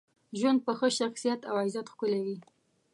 ژوند په ښه شخصیت او عزت ښکلی وي.